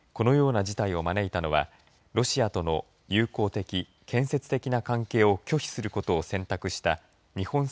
このような事態を招いたのはロシアとの友好的、建設的な関係を拒否することを選択した。